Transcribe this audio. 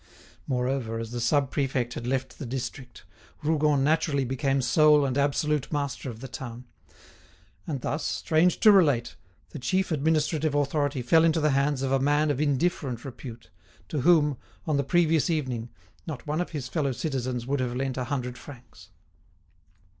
Moreover, as the sub prefect had left the district, Rougon naturally became sole and absolute master of the town; and thus, strange to relate, the chief administrative authority fell into the hands of a man of indifferent repute, to whom, on the previous evening, not one of his fellow citizens would have lent a hundred francs.